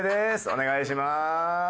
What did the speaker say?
お願いします。